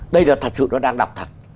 đây là thật sự nó đang đọc thật